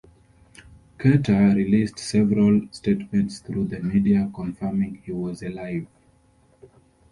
Carter released several statements through the media confirming he was alive.